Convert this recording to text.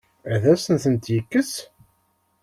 Ad asen-tent-yekkes?